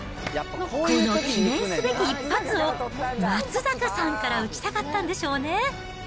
この記念すべき一発を、松坂さんから打ちたかったんでしょうね。